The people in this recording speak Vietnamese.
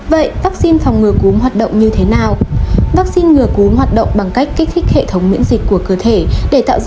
vậy vaccine phòng ngừa cúm hoạt động như thế nào